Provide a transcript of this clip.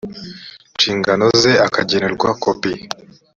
nshingano ze akagenerwa kopi